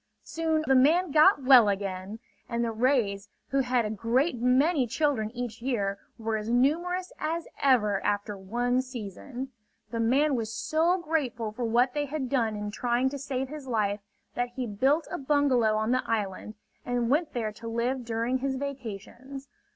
Soon the man got well again. And the rays, who have a great many children each year, were as numerous as ever after one season. The man was so grateful for what they had done in trying to save his life, that he built a bungalow on the island and went there to live during his vacations.